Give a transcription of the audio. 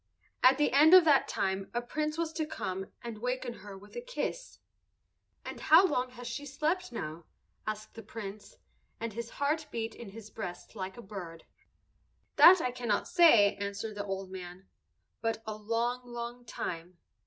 At the end of that time a Prince was to come and waken her with a kiss." "And how long has she slept now?" asked the Prince, and his heart beat in his breast like a bird. [Illustration: THE SLEEPING BEAUTY] "That I cannot say," answered the old man, "but a long, long time.